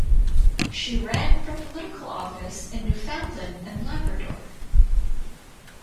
She ran from political office in Newfoundland and Labrador.